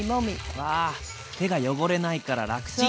うわ手が汚れないから楽ちん。